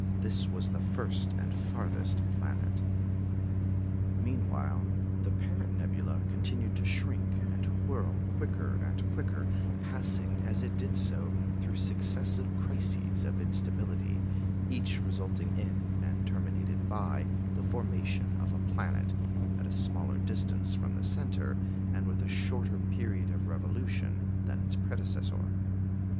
This was the first and farthest planet. Meanwhile the parent nebula continued to shrink and whirl quicker and quicker, passing, as it did so, through successive crises of instability, each resulting in, and terminated by, the formation of a planet, at a smaller distance from the centre, and with a shorter period of revolution than its predecessor.